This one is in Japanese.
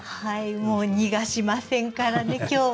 もう逃がしませんからね今日は。